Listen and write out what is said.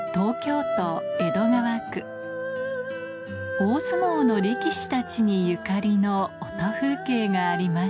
大相撲の力士たちにゆかりの音風景がありました